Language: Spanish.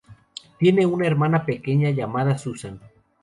Tiene una hermana pequeña llamada Susanne.